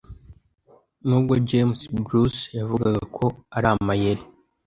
Nubwo James Bruce yavugaga ko ari amayeri